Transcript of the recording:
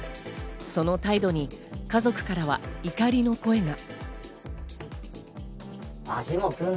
その態度に家族からは怒りの声が。